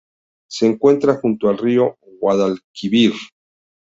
Se encuentra junto al río Guadalquivir.